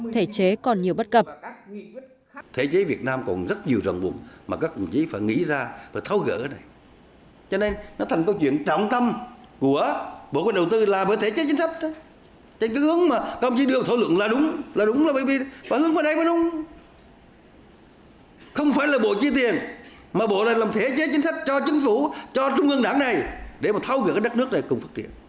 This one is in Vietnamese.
thể chế còn nhiều bất cập